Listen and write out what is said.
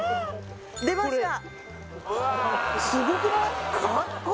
出ました！